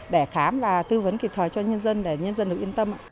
để khám và tư vấn kịp thời cho nhân dân để nhân dân được yên tâm